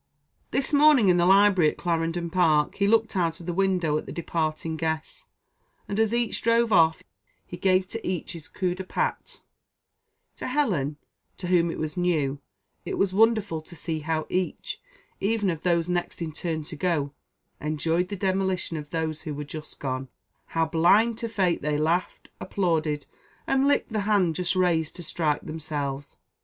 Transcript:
This morning, in the library at Clarendon Park, he looked out of the window at the departing guests, and, as each drove off, he gave to each his coup de patte. To Helen, to whom it was new, it was wonderful to see how each, even of those next in turn to go, enjoyed the demolition of those who were just gone; how, blind to fate, they laughed, applauded, and licked the hand just raised to strike themselves.